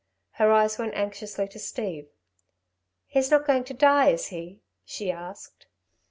Her eyes went anxiously to Steve. "He's not going to die, is he?" she asked.